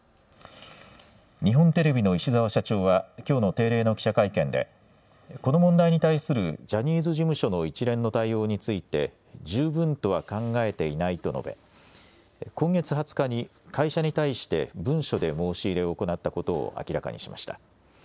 日本テレビの石澤社長はきょうの定例の記者会見でこの問題に対するジャニーズ事務所の一連の対応について十分とは考えていないと述べ今月２０日に会社に対して文書で申し入れを行ったことを明らかにしました。